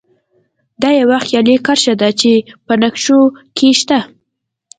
دا یوه خیالي کرښه ده چې په نقشو کې شته